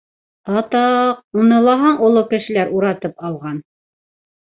Атаҡ, уны лаһаң оло кешеләр уратып алған!